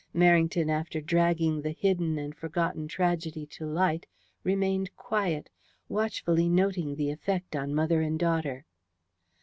Merrington, after dragging the hidden and forgotten tragedy to light, remained quiet, watchfully noting the effect on mother and daughter.